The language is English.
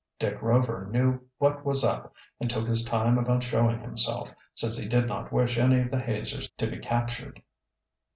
Dick Rover knew what was up and took his time about showing himself, since he did not wish any of the hazers to be captured.